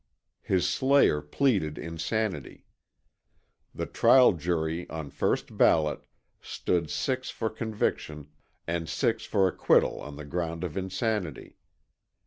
His slayer pleaded insanity. The trial jury on first ballot stood six for conviction and six for acquittal on the ground of insanity.